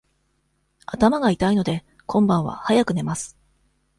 頭が痛いので、今晩は早く寝ます。